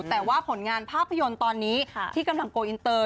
แต่ว่าผลงานภาพยนตร์ตอนนี้ที่กำลังโกลอินเตอร์